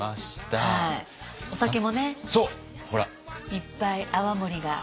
いっぱい泡盛が。